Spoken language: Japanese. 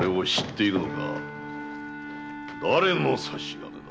だれの差し金だ。